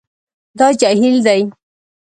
دا جهیل دی